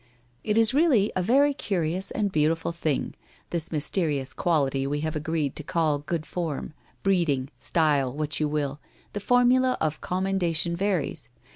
' It is really a very curious and beautiful thing, this mysterious quality we have agreed to call good form, breeding, style, what you will — the formula of commenda tion varies.